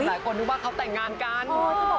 หลายคนนึกว่าเขาแต่งงานกัน